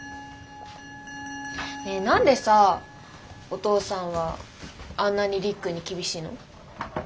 ねえ何でさお父さんはあんなにりっくんに厳しいの？